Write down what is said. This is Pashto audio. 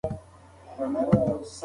که غوږونه پاک وي نو غیبت نه اوري.